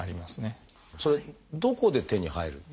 それどこで手に入る？